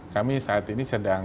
kami saat ini sedang